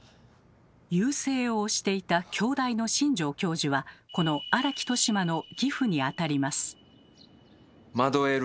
遊星を推していた京大の新城教授はこの荒木俊馬の義父にあたります。